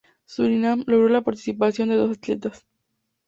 Surinam logró la participación de dos atletas.